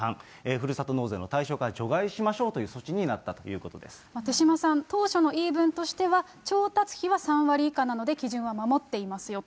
ふるさと納税の対象から除外しましょうという措置になったという手嶋さん、当初の言い分としては、調達費は３割以下なので、基準は守っていますよと。